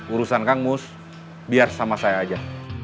urusan kang mus biar sama saya aja